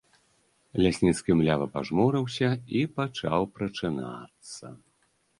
Лясніцкі млява пажмурыўся і пачаў прачынацца.